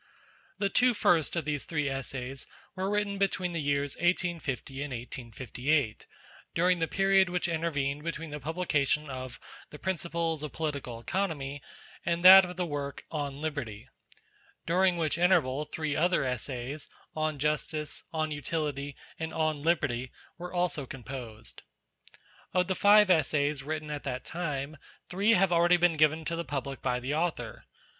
The two first of these three Essays were written between the years 1850 and 1858, during the period which intervened between the publication of the Principles of Political Economy, and that of the work on Liberty ; during which interval three other Essays on Justice, on Utility, and on Liberty were also composed. Of the five Essays written at. that time, three have already been given to the public by the Author.